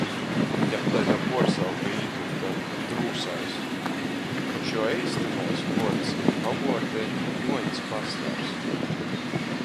Jam taida puorsauka īdūta – Drūsais, koč juo eistynais vuords i pavuorde Juoņs Pastars.